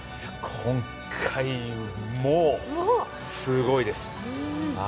今回もすごいです。